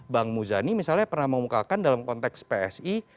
bang muzani misalnya pernah mengumumkakan dalam konteks psi